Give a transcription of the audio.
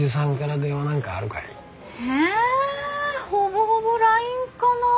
ほぼほぼＬＩＮＥかな。